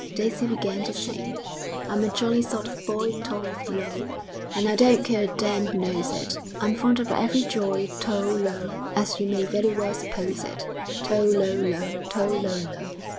Daisy began to sing, I'm a jolly sort of boy, tol, lol, And I don't care a damn who knows it. I'm fond of every joy, tol, lol, As you may very well suppose it. Tol, lol, lol, _Tol, lol, lol.